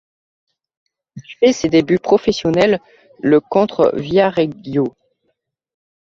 Il fait ses débuts professionnels le contre Viareggio.